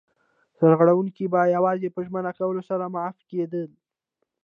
سرغړونکی به یوازې په ژمنه کولو سره معاف کېده.